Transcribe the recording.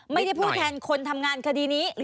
ไม่ได้พูดแทนคนทำงานคดีนี้